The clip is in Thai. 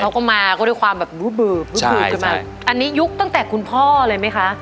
เขาก็มาก็ด้วยความแบบใช่ใช่อันนี้ยุคตั้งแต่คุณพ่อเลยไหมคะ